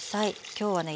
今日はね